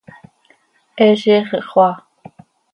He ziix ihxoaa.